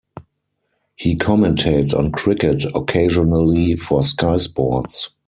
He commentates on cricket occasionally for Sky Sports.